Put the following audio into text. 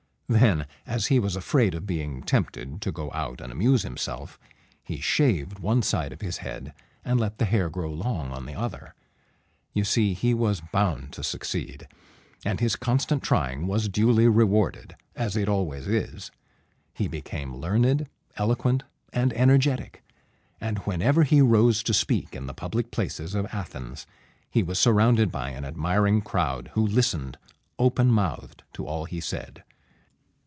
Then, as he was afraid of being tempted to go out and amuse himself, he shaved one side of his head, and let the hair grow long on the other. You see, he was bound to succeed, and his constant trying was duly rewarded, as it always is. He became learned, eloquent, and energetic; and whenever he rose to speak in the public places of Athens, he was surrounded by an admiring crowd, who listened open mouthed to all he said.